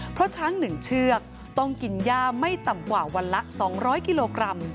เพราะช้าง๑เชือกต้องกินย่าไม่ต่ำกว่าวันละ๒๐๐กิโลกรัม